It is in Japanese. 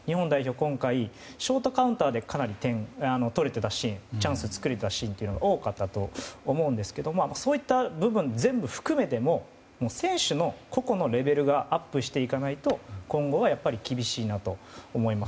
今回ショートカウンターでかなり点が取れたシーンチャンスを作れていたシーンが多かったと思うんですがそういった部分を全部含めても選手の個々のレベルがアップしていかないと今後は厳しいなと思います。